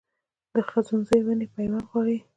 د ځنغوزي ونې پیوند غواړي؟